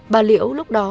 bà liễu lúc đó